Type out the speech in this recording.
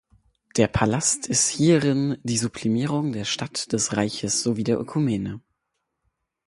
Der Palast ist hierin die Sublimierung der Stadt des Reiches sowie der Ökumene.